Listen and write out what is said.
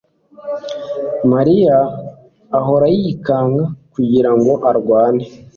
mariya ahora yikanga kugirango arwane